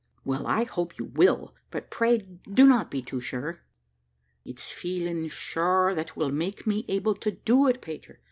"Well, I hope you will; but pray do not be too sure." "It's feeling sure that will make me able to do it, Peter.